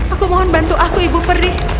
aku mohon bantu aku ibu peri